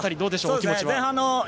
気持ちは。